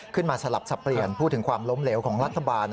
สลับสับเปลี่ยนพูดถึงความล้มเหลวของรัฐบาล